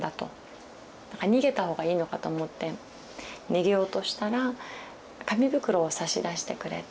だから逃げた方がいいのかと思って逃げようとしたら紙袋を差し出してくれて。